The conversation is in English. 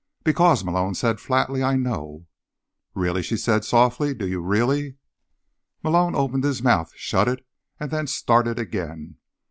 "Because," Malone said flatly, "I know." "Really?" she said softly. "Do you really?" Malone opened his mouth, shut it and then started again.